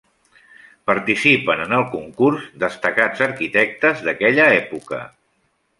Participen en el concurs destacats arquitectes d'aquella època.